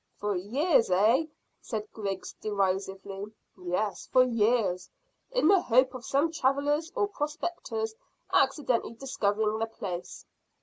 "For years, eh?" said Griggs derisively. "Yes, for years, in the hope of some travellers or prospectors accidentally discovering the place.